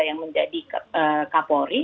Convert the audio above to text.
yang menjadi kapolri